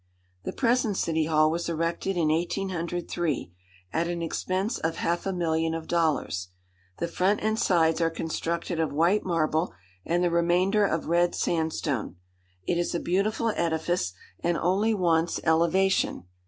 The present City Hall was erected in 1803, at an expense of half a million of dollars. The front and sides are constructed of white marble, and the remainder of red sandstone. It is a beautiful edifice, and only wants elevation.